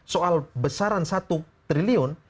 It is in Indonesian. soal besaran satu triliun